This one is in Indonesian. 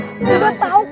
iya kan ini kan urgent